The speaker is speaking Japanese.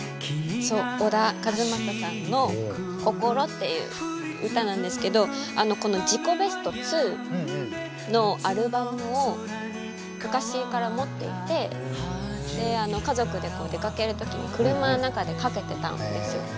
そう小田和正さんの「こころ」っていう歌なんですけどあのこの「自己ベスト２」のアルバムを昔から持っていて家族で出かける時に車の中でかけてたんですよ。